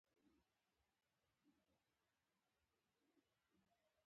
مصنوعي ځیرکتیا د تکراري کارونو بار کموي.